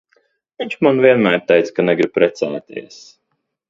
Viņš man vienmēr teica, ka negrib precēties.